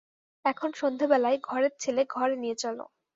এখন সন্ধ্যাবেলায় ঘরের ছেলে ঘরে নিয়ে চলো।